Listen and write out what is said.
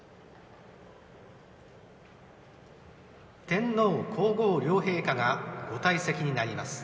天皇皇后両陛下がご退席になります。